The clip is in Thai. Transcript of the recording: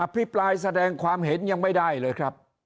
พิปรายแสดงความเห็นยังไม่ได้เลยครับ